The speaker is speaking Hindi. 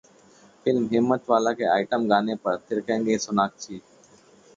फिल्म 'हिम्मतवाला' के आइटम गाने पर थिरकेंगी सोनाक्षी